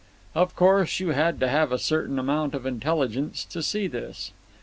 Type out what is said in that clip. Of course, you had to have a certain amount of intelligence to see this.